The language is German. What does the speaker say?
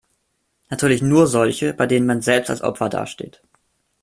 Natürlich nur solche, bei denen man selbst als Opfer dasteht.